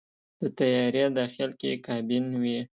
د طیارې داخل کې کابین وي.